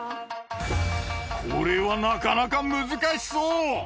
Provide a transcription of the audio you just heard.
これはなかなか難しそう。